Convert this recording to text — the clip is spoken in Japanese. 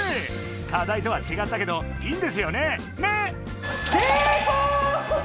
かだいとはちがったけどいいんですよね！ね！